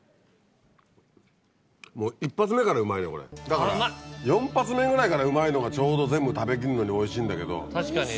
だから４発目ぐらいからうまいのがちょうど全部食べ切るのにおいしいんだけど。